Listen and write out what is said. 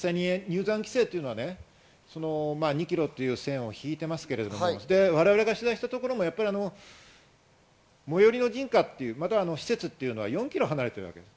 実際、入山規制というのは２ｋｍという線を引いていますけど、我々が取材したところも最寄の民家、施設というのは４ｋｍ離れている。